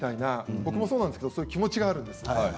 僕もそうなんですけれども気持ちがあるんです。